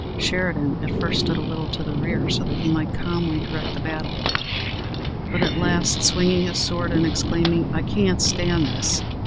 Sheridan at first stood a little to the rear, so that he might calmly direct the battle; but at last, swinging his sword, and exclaiming, "I can't stand this!"